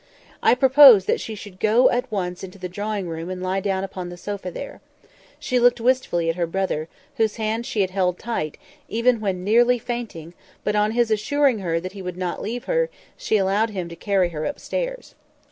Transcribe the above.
I proposed that she should go at once up into the drawing room and lie down on the sofa there. She looked wistfully at her brother, whose hand she had held tight, even when nearly fainting; but on his assuring her that he would not leave her, she allowed him to carry her upstairs.